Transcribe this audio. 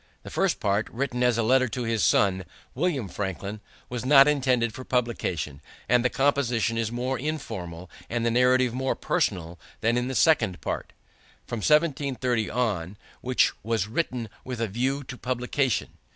The first part, written as a letter to his son, William Franklin, was not intended for publication; and the composition is more informal and the narrative more personal than in the second part, from 1730 on, which was written with a view to publication.